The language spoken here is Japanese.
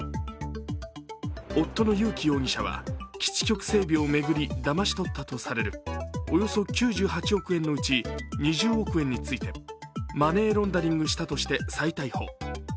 夫の友紀容疑者は基地局整備を巡りだまし取ったとされるおよそ９８億円のうち２０億円についてマネーロンダリングしたとして再逮捕。